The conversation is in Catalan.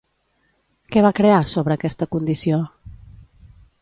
Què va crear, sobre aquesta condició?